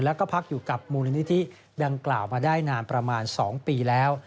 แล้วก็พักอยู่กับมูลนิธิดังกล่าวมาได้นานประมาณ๒ปีแล้ว